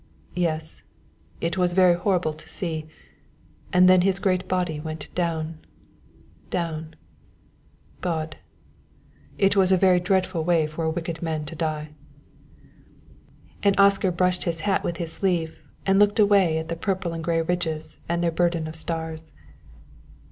Yes; it was very horrible to see. And then his great body went down, down God! It was a very dreadful way for a wicked man to die." And Oscar brushed his hat with his sleeve and looked away at the purple and gray ridges and their burden of stars.